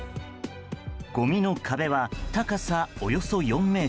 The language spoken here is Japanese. ごみの壁は高さおよそ４ｍ